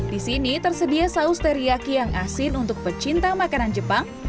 di sini tersedia saus teriyaki yang asin untuk pecinta makanan jepang